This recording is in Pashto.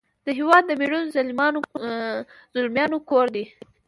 د هیواد د میړنو زلمیانو کور دی .